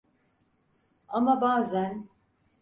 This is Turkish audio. Ama bazen…